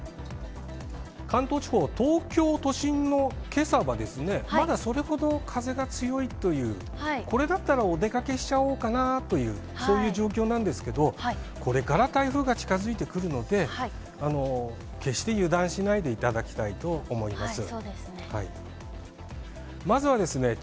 関東地方、東京都心のけさは、まだそれほど風が強いという、これだったらお出かけしちゃおうかなという、そういう状況なんですけど、これから台風が近づいてくるので、決して油断しないでいただきたいと思います。